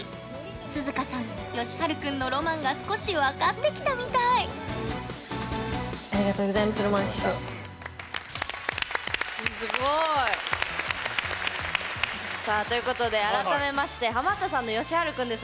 寿々歌さんよしはるくんのロマンが少し分かってきたみたいすごい。さあということで改めましてハマったさんのよしはるくんです。